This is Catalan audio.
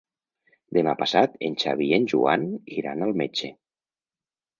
Demà passat en Xavi i en Joan iran al metge.